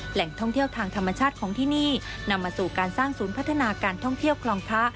แหล่งท่องเที่ยวทางธรรมชาติของที่นี่นำมาสู่การสร้างศูนย์พัฒนาการท่องเที่ยวคลองพระ